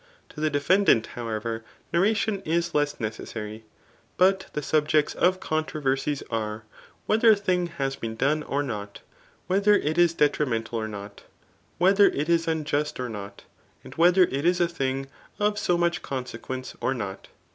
To the defendant^ however, narration is less necessary ; but the subjects of cofitroversies are, whether a thing has been done or not, whether it is detrimental or not, whether it is unjust or not, aid whether it is a thing of so much consequence or not.